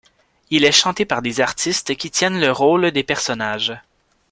Il est chanté par des artistes qui tiennent le rôle des personnages.